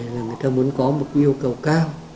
là người ta muốn có một yêu cầu cao